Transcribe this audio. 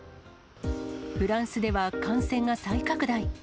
フランスでは感染が再拡大。